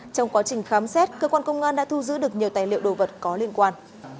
trong quá trình khám xét cơ quan công an đã thu giữ được nhiều tài liệu đồ vật có liên quan